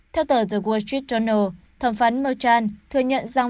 theo tờ the wall street journal thẩm phán merchant thừa nhận rằng